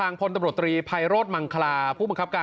นี่แหละครับ